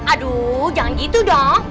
aduh jangan gitu dong